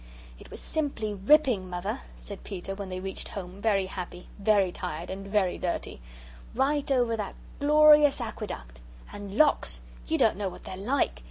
"It was simply ripping, Mother," said Peter, when they reached home very happy, very tired, and very dirty, "right over that glorious aqueduct. And locks you don't know what they're like.